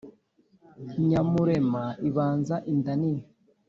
nyamurema ibanza inda nini